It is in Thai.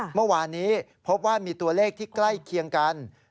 เมื่อวานนี้พบว่ามีตัวเลขที่ใกล้เคียงกัน